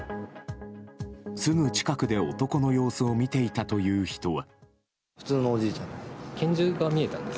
すぐ近くで男の様子を見ていたという人は。